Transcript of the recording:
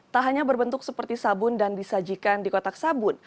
tak hanya berbentuk seperti sabun dan disajikan di kotak sabun